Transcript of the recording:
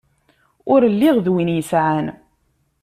Ur lliɣ d win yesεan.